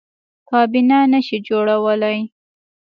کابینه نه شي جوړولی.